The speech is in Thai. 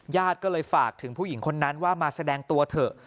ญาติก็เลยฝากถึงผู้หญิงคนนั้นว่ามาแสดงตัวเถอะ